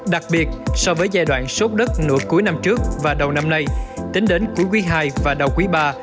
đặc biệt so với giai đoạn sốt đất nửa cuối năm trước và đầu năm nay tính đến cuối quý ii và đầu quý iii